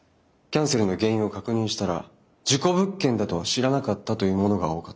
キャンセルの原因を確認したら「事故物件だとは知らなかった」というものが多かった。